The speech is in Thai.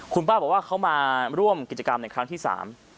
คุณป้าบอกว่าเขามาร่วมกิจกรรมในครั้งที่สาม